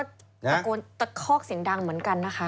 แต่คอกเสียงดังเหมือนกันนะคะ